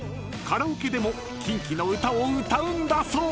カラオケでもキンキの歌を歌うんだそう］